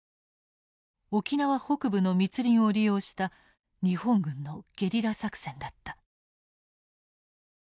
沖縄北部の密林を利用した日本軍のゲリラ作戦だった。